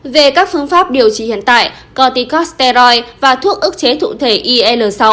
về các phương pháp điều trị hiện tại corticosteroid và thuốc ức chế thụ thể il sáu